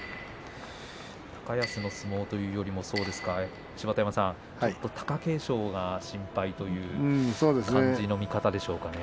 高安の相撲というよりも芝田山さん、貴景勝が心配ということですね。